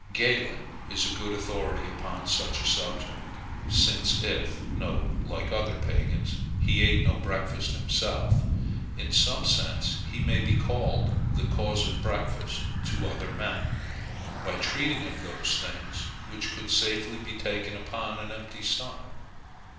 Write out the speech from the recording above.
Galen is a good authority upon such a subject, since, if (like other pagans) he ate no breakfast himself, in some sense he may be called the cause of breakfast to other men, by treating of those things which could safely be taken upon an empty stomach.